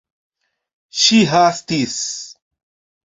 Ŝi hastis.